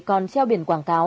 còn treo biển quảng cáo